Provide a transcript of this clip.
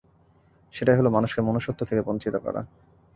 সেটাই হল মানুষকে মনুষ্যত্ব থেকে বঞ্চিত করা।